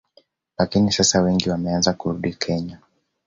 Lakini sasa wengi wameanza kurudi Kenya